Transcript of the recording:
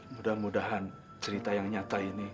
mudah mudahan cerita yang nyata ini